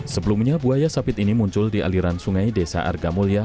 sebelumnya buaya sampit ini muncul di aliran sungai desa argamulya